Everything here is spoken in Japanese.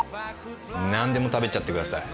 何でも食べちゃってください。